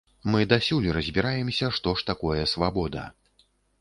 Мы дасюль разбіраемся, што ж такое свабода.